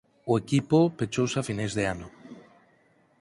O equipo pechouse a finais de ano.